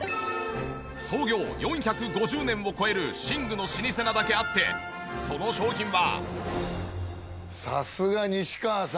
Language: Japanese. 創業４５０年を超える寝具の老舗なだけあってその商品は。